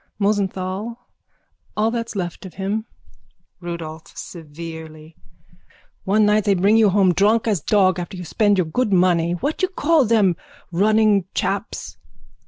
Mosenthal. All that's left of him. RUDOLPH: (Severely.) One night they bring you home drunk as dog after spend your good money. What you call them running chaps?